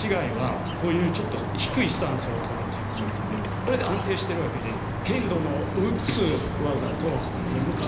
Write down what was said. これで安定してるわけですよ。